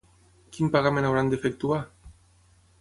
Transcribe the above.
Quin pagament hauran d'efectuar?